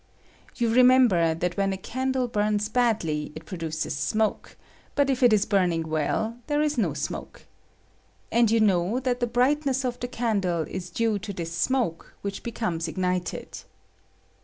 You remember that when a candle bums badly it produces smoke ; but if it is burning well, there is no smoke. And you know that the brightness of the candle is due to this smoke, which becomes ignited.